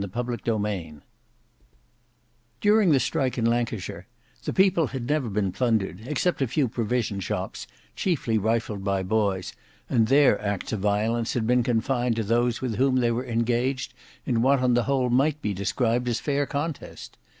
Book 6 Chapter 7 During the strike in Lancashire the people had never plundered, except a few provision shops, chiefly rifled by boys, and their acts of violence had been confined to those with whom they were engaged in what on the whole might be described as fair contest.